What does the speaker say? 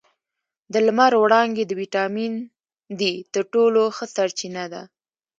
د لمر وړانګې د ویټامین ډي تر ټولو ښه سرچینه ده